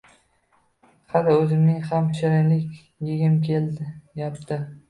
Ha-da, o`zimning ham shirinlik egim kelyapti